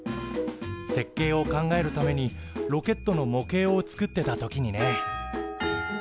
設計を考えるためにロケットの模型を作ってた時にね。